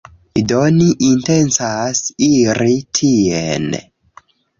Do, ni intencas iri tien.